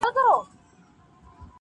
د دردونو او غمونو نرۍ لاري را ته ګوري -